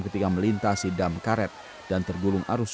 terbalik di bendungan karet